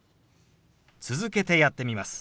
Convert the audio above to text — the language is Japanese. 続けてやってみます。